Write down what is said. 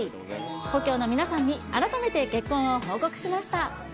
故郷の皆さんに、改めて結婚を報告しました。